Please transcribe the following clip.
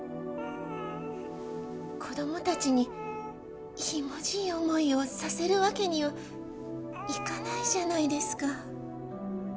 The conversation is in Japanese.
子どもたちにひもじい思いをさせる訳にはいかないじゃないですか。